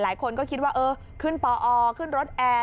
หลายคนก็คิดว่าเออขึ้นปอขึ้นรถแอร์